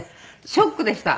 ショックでした。